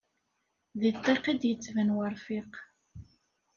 Deg ṭṭiq id yettban werfiq.